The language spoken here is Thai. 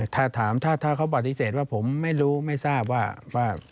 ถ้าถามถ้าเขาปฏิเสธว่าผมไม่รู้ไม่ทราบว่า